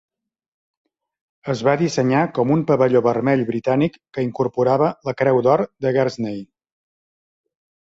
Es va dissenyar com un pavelló vermell britànic que incorporava la creu d'or de Guernsey.